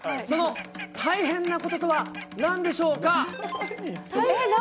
その大変なこととはなんでしょう大変？